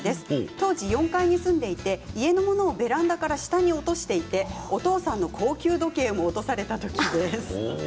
当時４階に住んでいて家のものをベランダから下に落としていてお父さんの高級時計を落とされた時です。